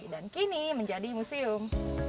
dan kini menjadi museum